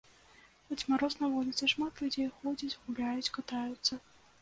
Хоць мароз, на вуліцы шмат людзей, ходзяць, гуляюць, катаюцца.